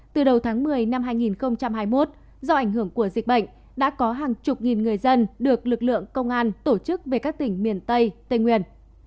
từ đầu tháng một mươi năm hai nghìn hai mươi một do ảnh hưởng của dịch bệnh đã có hàng chục nghìn người dân được lực lượng công an tổ chức về các tỉnh miền tây tây nguyên